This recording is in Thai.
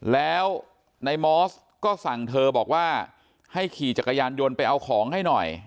แล้วในมอสก็สั่งเธอบอกว่าให้ขี่จักรยานยนต์ไปเอาของให้หน่อย